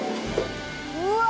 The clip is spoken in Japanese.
うわ！